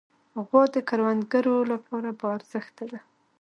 غوا د کروندګرو لپاره باارزښته ده.